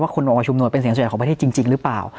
ว่าคุณออกมาชุมนวลเป็นเสียงสุดยอดของประเทศจริงหรือเปล่า